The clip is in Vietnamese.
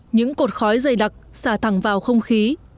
những cột khói dày đặc xả thẳng vào không khí